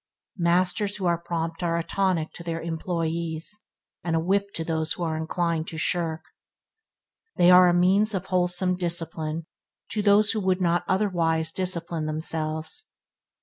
Masters who are prompt are a tonic to their employees, and a whip to those who are inclined to shirk. They are a means of wholesome discipline to those who would not otherwise discipline themselves.